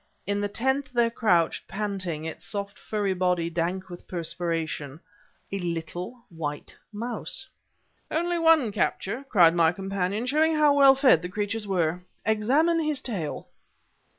In the tenth there crouched, panting, its soft furry body dank with perspiration, a little white mouse! "Only one capture!" cried my companion, "showing how well fed the creatures were. Examine his tail!"